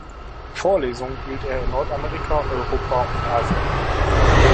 Vorlesungen hielt er in Nordamerika, Europa und Asien.